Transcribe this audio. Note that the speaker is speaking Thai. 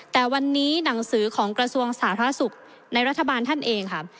แต่วันนี้หนังสือของกระทรวงสาธารณสุขในรัฐบาลท่านเองค่ะ